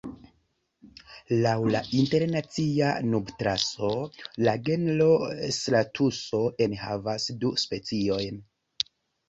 Laŭ la Internacia Nubatlaso, la genro stratuso enhavas du speciojn.